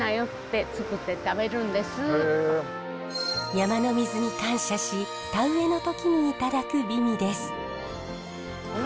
山の水に感謝し田植えの時にいただく美味です。